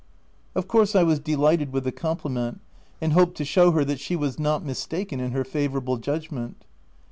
Of course I was delighted with the compli ment, and hoped to show her she was not mis taken in her favourable judgment.